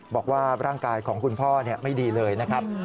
บอกว่าร่างกายของคุณพ่อไม่ดีเลยนะครับ